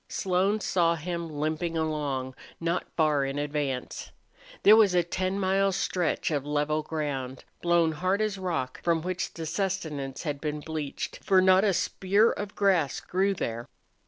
Slone saw him, limping along, not far in advance. There was a ten mile stretch of level ground, blown hard as rock, from which the sustenance had been bleached, for not a spear of grass grew there.